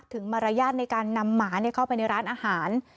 มารยาทในการนำหมาเข้าไปในร้านอาหาร